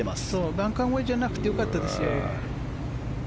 バンカー越えじゃなくてよかったですよ。